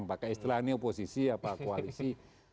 pakai istilah ini oposisi apa koalisi